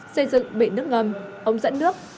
xây dựng bể nước ngầm ống dẫn nước